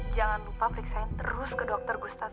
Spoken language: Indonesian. jangan lupa periksa terus ke dokter gustaf